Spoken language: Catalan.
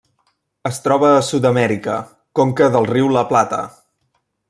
Es troba a Sud-amèrica: conca del riu La Plata.